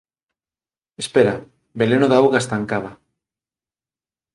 Espera veleno da auga estancada.